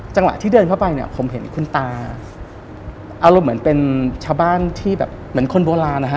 จังหวะที่เดินเข้าไปเนี่ยผมเห็นคุณตาอารมณ์เหมือนเป็นชาวบ้านที่แบบเหมือนคนโบราณนะฮะ